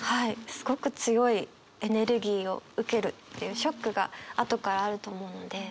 すごく強いエネルギーを受けるっていうショックが後からあると思うので。